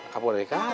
gak boleh katanya